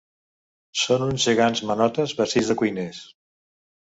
Són uns gegants manotes, vestits de cuiners.